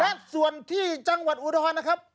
และส่วนที่จังหวัดอุดรนะครับ